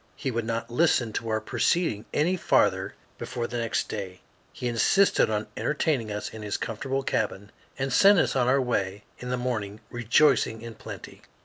He would not listen to our proceeding any farther before the next day. He insisted on entertaining us in his comfortable cabin, and sent us on our way in the morning, rejoicing in plenty.